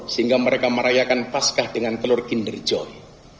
sehingga mereka merayakan pascah dengan telur kinder joy